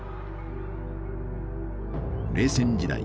冷戦時代